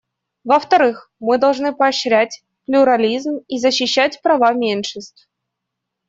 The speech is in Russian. Во-вторых, мы должны поощрять плюрализм и защищать права меньшинств.